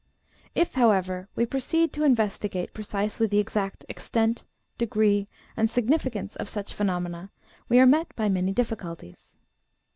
If, however, we proceed to investigate precisely the exact extent, degree, and significance of such phenomena, we are met by many difficulties.